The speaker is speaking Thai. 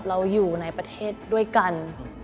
เราอยู่ในประเทศด้วยกัน